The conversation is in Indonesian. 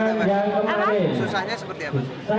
susahnya seperti apa